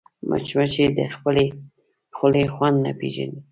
مچمچۍ د خپلې خولې خوند نه پېژني